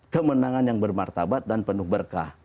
kemenangan yang bermartabat dan penuh berkah